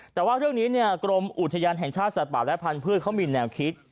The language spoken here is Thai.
แต่ว่าเรื่องนี้กรมอุทยานแห่งชาติสัตว์ป่าและพันธุ์เขามีแนวคิด